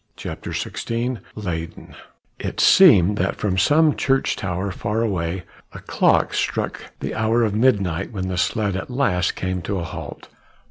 CHAPTER XVI LEYDEN It seemed that from some church tower far away a clock struck the hour of midnight when the sledge at last came to a halt.